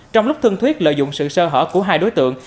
trong lúc thân thuyết lợi dụng sự sơ hở của hai đối tượng